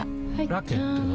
ラケットは？